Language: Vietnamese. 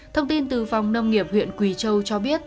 thông tin từ phòng nông nghiệp huyện quỳ châu cho biết